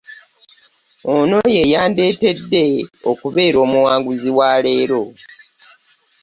Ono yeyandetedde okubeera omuwanguzi wa leero.